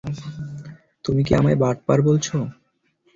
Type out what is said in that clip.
তুমি কি আমায় বাটপার বলছ?